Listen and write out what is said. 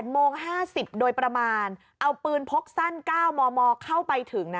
โมง๕๐โดยประมาณเอาปืนพกสั้น๙มมเข้าไปถึงนะ